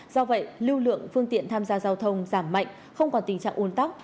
do vậy lưu lượng phương tiện tham gia giao thông giảm mạnh không còn tình trạng ôn tóc